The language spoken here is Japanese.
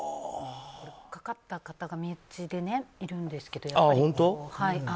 かかった方が身内でいるんですけど。